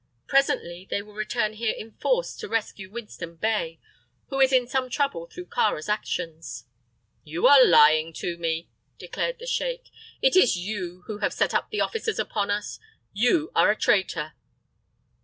Presently they will return here in force to rescue Winston Bey, who is in some trouble through Kāra's actions." "You are lying to me," declared the sheik. "It is you who have set the officers upon us. You are a traitor!"